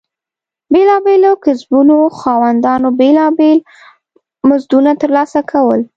بېلابېلو کسبونو خاوندانو بېلابېل مزدونه ترلاسه کول.